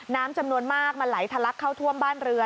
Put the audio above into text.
น้ำจำนวนมากมันไหลทะลักเข้าท่วมบ้านเรือ